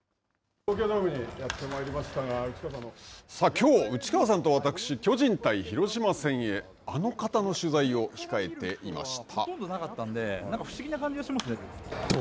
きょう、内川さんと私巨人対広島戦へあの方の取材を控えていました。